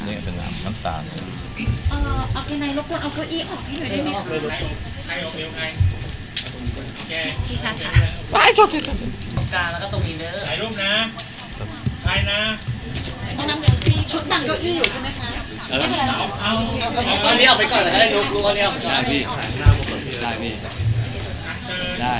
ชุดต่างเก้าอี้อยู่ใช่ไหมค่ะ